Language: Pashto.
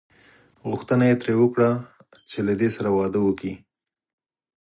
غوښتنه یې ترې وکړه چې له دې سره واده وکړي.